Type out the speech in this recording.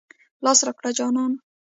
لاس راکه جانانه.